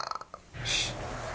よし！